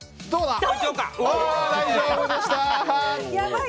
大丈夫でした！